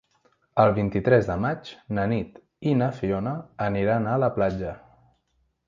El vint-i-tres de maig na Nit i na Fiona aniran a la platja.